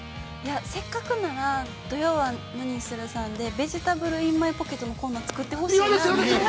◆せっかくなら、土曜はナニするさんで、ベジタブルインマイポケットのコーナーつくってほしいなあって。